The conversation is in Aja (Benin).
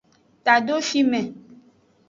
Tado fime.